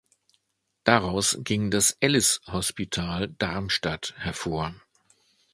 Daraus ging das Alice-Hospital Darmstadt hervor.